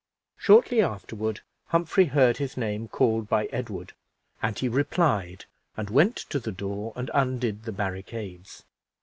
Shortly afterward Humphrey heard his name called by Edward, and he replied, and went to the door and undid the barricades.